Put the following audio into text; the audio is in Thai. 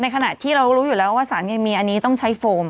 ขณะที่เรารู้อยู่แล้วว่าสารเคมีอันนี้ต้องใช้โฟม